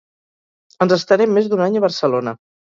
Ens estarem més d'un any a Barcelona